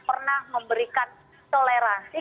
pernah memberikan toleransi